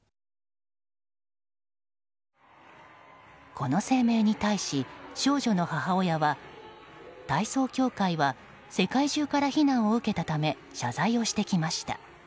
この声明に対し、少女の母親は体操協会は世界中から非難を受けたため謝罪をしてきました。